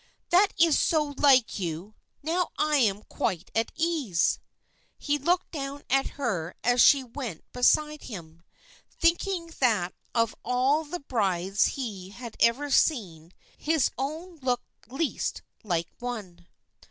"That is so like you! Now I am quite at ease." He looked down at her as she went beside him, thinking that of all the brides he had ever seen his own looked least like one.